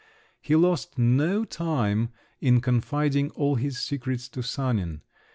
He lost no time in confiding all his secrets to Sanin.